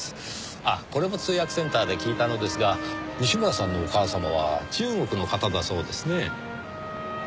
ああこれも通訳センターで聞いたのですが西村さんのお母様は中国の方だそうですねぇ。